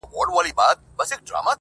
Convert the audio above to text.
دا د قسمت په حوادثو کي پېیلی وطن.!